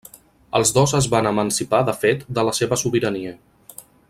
Els dos es van emancipar de fet de la seva sobirania.